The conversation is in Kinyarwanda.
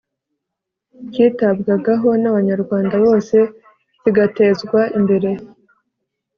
kitabwagaho n’Abanyarwanda bose, kigatezwa imbere